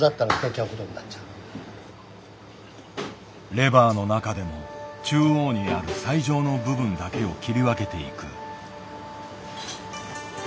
レバーの中でも中央にある最上の部分だけを切り分けていく。